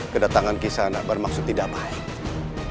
kedatangan kisana bermaksud tidak baik